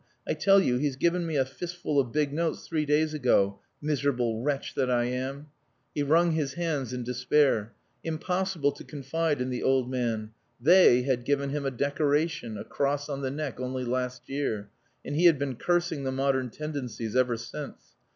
I tell you he's given me a fistful of big notes three days ago. Miserable wretch that I am." He wrung his hands in despair. Impossible to confide in the old man. "They" had given him a decoration, a cross on the neck only last year, and he had been cursing the modern tendencies ever since.